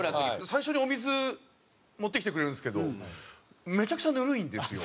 最初にお水持ってきてくれるんですけどめちゃくちゃぬるいんですよ。